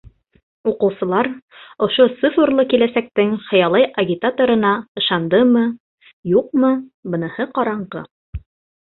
Уҡыусылар ошо цифрлы киләсәктең хыялый агитаторына ышандымы, юҡмы - быныһы ҡараңғы.